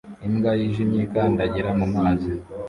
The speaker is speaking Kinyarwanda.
Imbwa yijimye ikandagira mumazi